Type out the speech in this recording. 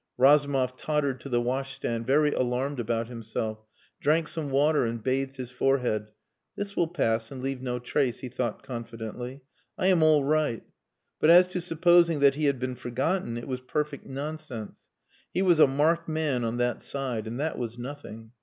Razumov tottered to the washstand very alarmed about himself, drank some water and bathed his forehead. "This will pass and leave no trace," he thought confidently. "I am all right." But as to supposing that he had been forgotten it was perfect nonsense. He was a marked man on that side. And that was nothing.